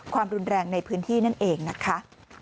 ความรุนแรงในพื้นที่นั่นเองนะคะ